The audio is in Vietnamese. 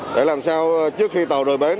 để làm sao trước khi tàu rời bến